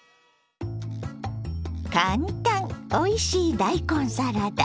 簡単おいしい大根サラダ。